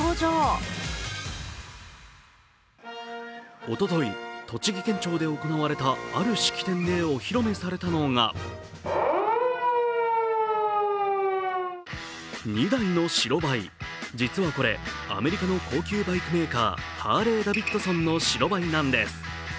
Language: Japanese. おととい、栃木県庁で行われたある式典でお披露目されたのが２台の白バイ、実はこれ、アメリカの高級バイクメーカーハーレーダビッドソンの白バイなんです。